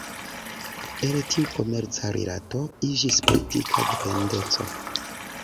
El tiu komerca rilato iĝis politika dependeco.